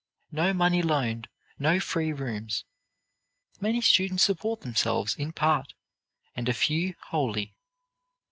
No money loaned, no free rooms. Many students support themselves in part, and a few wholly.